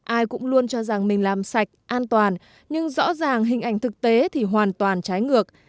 ai cũng luôn cho rằng mình làm sạch an toàn nhưng rõ ràng hình ảnh thực tế thì hoàn toàn trái ngược